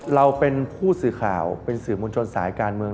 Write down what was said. เราเป็นผู้สื่อข่าวเป็นสื่อมวลชนสายการเมือง